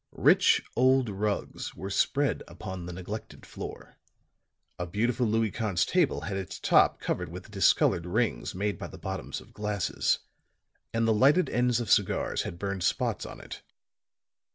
Rich old rugs were spread upon the neglected floor; a beautiful Louis Quinze table had its top covered with discolored rings made by the bottoms of glasses, and the lighted ends of cigars had burned spots on it.